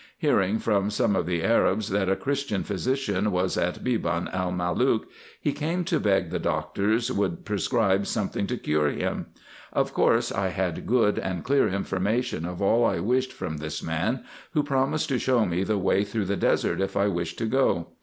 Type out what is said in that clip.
Hearing from some of the Arabs, that a christian physician was at Beban el Malook, he came to beg the doctor would prescribe something to cure him. Of course I had good and clear information of all I wished from this man, who promised to show me the way through the desert, if I wished to go.